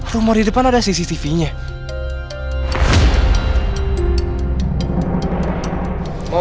rumor di depan ada cctv nya